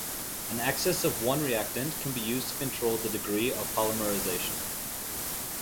An excess of one reactant can be used to control the degree of polymerization.